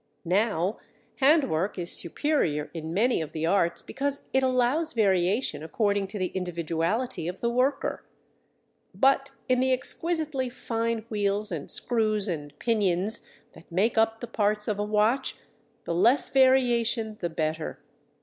Now, hand work is superior in many of the arts because it allows variation according to the individuality of the worker. But in the exquisitely fine wheels and screws and pinions that make up the parts of a watch, the less variation the better.